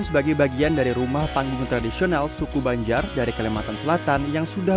sebagai bagian dari rumah panggung tradisional suku banjar dari kalimantan selatan yang sudah